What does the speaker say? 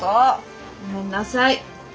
ごめんなさい。